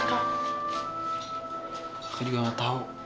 kaka juga gak tau